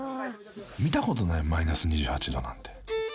［見たことないマイナス２８℃なんて］